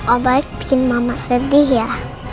oh baik bikin mama sedih ya